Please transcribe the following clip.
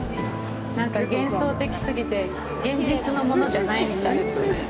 なんか幻想的すぎて現実のものじゃないみたいですね。